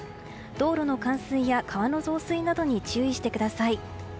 道路の冠水や川の増水などに注意してください。